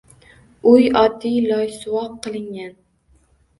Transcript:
Uy oddiy loysuvoq qilingan.